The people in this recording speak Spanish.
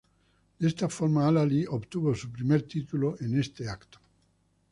De esta forma, Al-Ahly obtuvo su primer título en este evento.